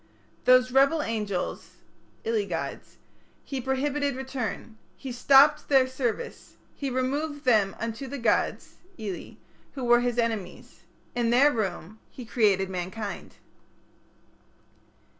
Those rebel angels (ili gods) He prohibited return; He stopped their service; He removed them unto the gods (ili) who were His enemies. In their room he created mankind.